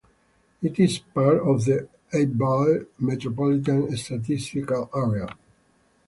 It is part of the Abbeville Micropolitan Statistical Area.